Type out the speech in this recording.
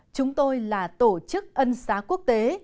chúng tôi là tổ chức ân xá quốc tế